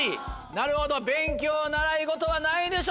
なるほど勉強・習い事は何位でしょうか？